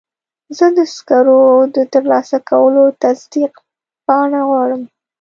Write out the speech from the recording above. زه د سکرو د ترلاسه کولو تصدیق پاڼه غواړم.